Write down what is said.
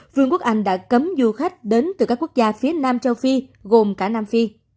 vương quốc anh đã cấm du khách đến từ các quốc gia phía nam châu phi gồm cả nam phi